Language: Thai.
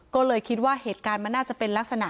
ก็เลยคิดว่าเหตุการณ์มันน่าจะเป็นลักษณะ